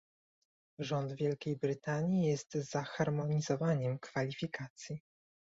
Rząd Wielkiej Brytanii jest za zharmonizowaniem kwalifikacji